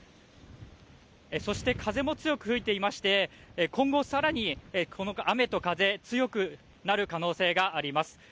そして、風も強く吹いていまして、今後さらにこの雨と風、強くなる可能性があります。